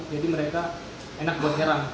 jadi mereka enak buat nyerang